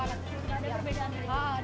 tidak ada perbedaan